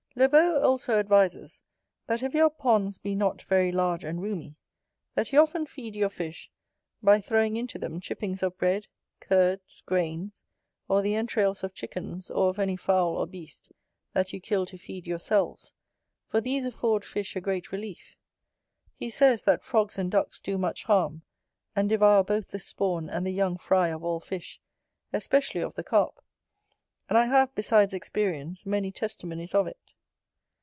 Lebault also advises, that if your ponds be not very large and roomy, that you often feed your fish, by throwing into them chippings of bread, curds, grains, or the entrails of chickens or of any fowl or beast that you kill to feed yourselves; for these afford fish a great relief. He says, that frogs and ducks do much harm, and devour both the spawn and the young fry of all fish, especially of the Carp; and I have, besides experience, many testimonies of it.